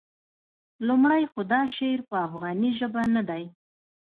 لومړی خو دا شعر په افغاني ژبه نه دی.